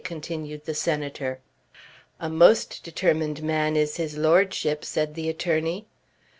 continued the Senator. "A most determined man is his lordship," said the attorney.